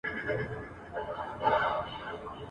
خو ددې شعر په هکله مهمه یادونه دا ده !.